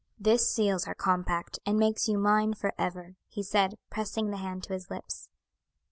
"This seals our compact, and makes you mine forever," he said, pressing the hand to his lips.